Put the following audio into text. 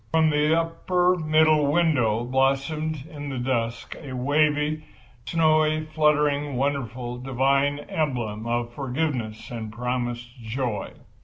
From the middle upper window blossomed in the dusk a waving, snowy, fluttering, wonderful, divine emblem of forgiveness and promised joy.